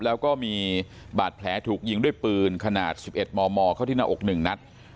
แล้วก็มีบาดแผลถูกยิงด้วยปืนขนาด๑๑มมเข้าที่หน้าอก๑นัด